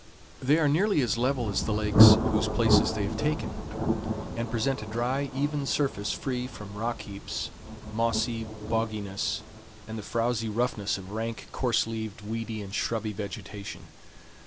They are nearly as level as the lakes whose places they have taken, and present a dry, even surface free from rock heaps, mossy bogginess, and the frowsy roughness of rank, coarse leaved, weedy, and shrubby vegetation.